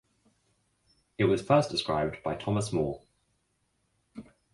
It was first described by Thomas Moore.